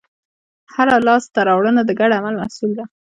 هره لاستهراوړنه د ګډ عمل محصول ده.